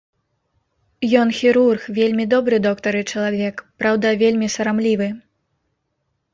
Ён хірург, вельмі добры доктар і чалавек, праўда вельмі сарамлівы.